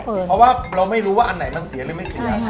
เพราะว่าเราไม่รู้ว่าอันไหนมันเสียหรือไม่เสีย